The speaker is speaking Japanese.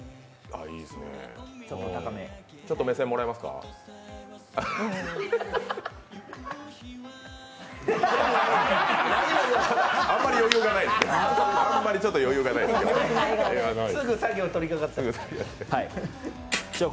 あんまり余裕がないです、今日。